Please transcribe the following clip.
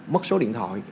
mất số điện thoại